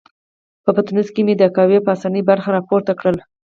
په پتنوس کې مې د قهوې پاسنۍ برخه را پورته کړل.